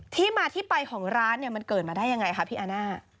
ที่มาที่ไปของร้านเนี่ยมันเกิดมาได้ยังไงคะพี่อาน่า